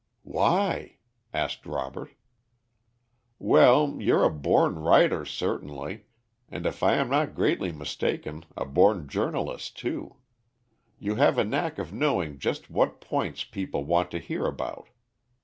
"Why?" asked Robert. "Well, you're a born writer certainly, and if I am not greatly mistaken, a born journalist too. You have a knack of knowing just what points people want to hear about.